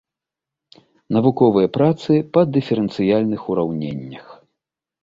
Навуковыя працы па дыферэнцыяльных ураўненнях.